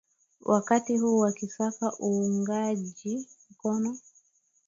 wakati huu wakisaka uungwaji mkono